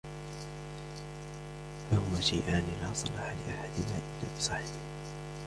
فَهُمَا شَيْئَانِ لَا صَلَاحَ لِأَحَدِهِمَا إلَّا بِصَاحِبِهِ